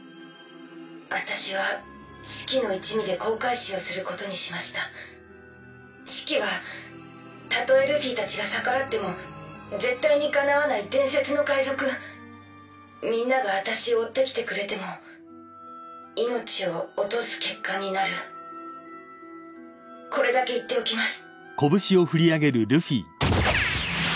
私はシキの一味で航海士をすることにしましたシキはたとえルフィたちが逆らっても絶対に敵わない伝説の海賊みんなが私を追ってきてくれても命を落とす結果になるこれだけ言っておきます